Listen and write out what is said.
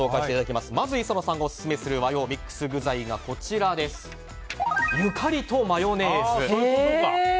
まず磯野さんがオススメする和洋ミックス具材がゆかりとマヨネーズ。